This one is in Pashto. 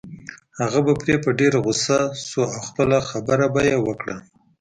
هغه به پرې په ډېره غصه شو او خپله خبره به يې وکړه.